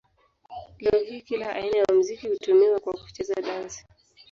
Leo hii kila aina ya muziki hutumiwa kwa kucheza dansi.